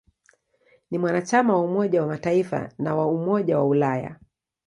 Ni mwanachama wa Umoja wa Mataifa na wa Umoja wa Ulaya.